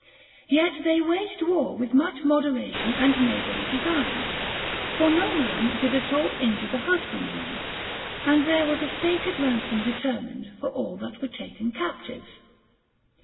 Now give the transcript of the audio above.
Yet they waged war with much moderation and neighborly designs ; for no man did at all injure the husbandman, and there was a stated ran THE GREEK QUESTIONS. 273 som determined for all that were taken captives.